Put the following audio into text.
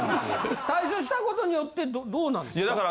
退所したことによってどうなんですか？